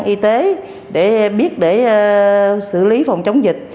y tế để biết để xử lý phòng chống dịch